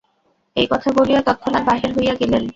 এই কথা বলিয়া তৎক্ষণাৎ বাহির হইয়া গেলেন।